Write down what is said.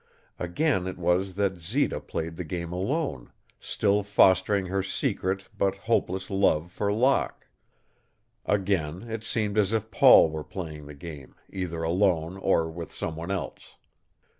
Again it was that Zita played the game alone, still fostering her secret but hopeless love for Locke. Again it seemed as if Paul were playing the game, either alone or with some one else.